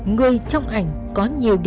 người trong ảnh có nhiều điều đáng nhớ